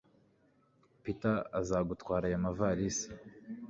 Peter azagutwara ayo mavalisi.